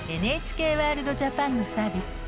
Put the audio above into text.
ＮＨＫワールドＪＡＰＡＮのサービス。